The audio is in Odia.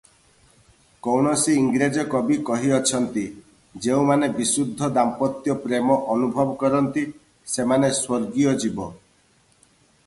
କୌଣସି ଇଂରେଜ କବି କହିଅଛନ୍ତି "ଯେଉଁମାନେ ବିଶୁଦ୍ଧ ଦାମ୍ପତ୍ୟ ପ୍ରେମ ଅନୁଭବ କରନ୍ତି, ସେମାନେ ସ୍ୱର୍ଗୀୟ ଜୀବ ।